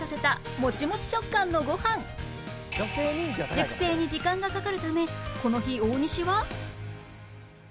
熟成に時間がかかるためこの日大西は